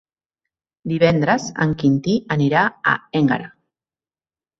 Divendres en Quintí anirà a Énguera.